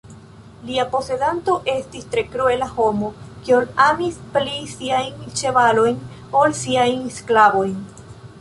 Lia posedanto estis tre kruela homo, kiu amis pli siajn ĉevalojn ol siajn sklavojn.